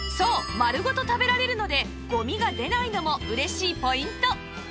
丸ごと食べられるのでゴミが出ないのも嬉しいポイント